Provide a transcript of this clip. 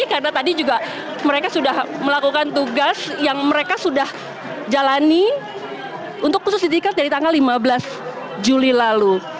karena tadi juga mereka sudah melakukan tugas yang mereka sudah jalani untuk khusus didikat dari tanggal lima belas juli lalu